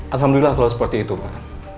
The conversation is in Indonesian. alhamdulillah kalau seperti itu pak